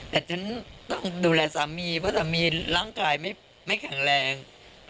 แต่ต้องดูแลสามีแต่สามีล้างกายไม่แข็งแรง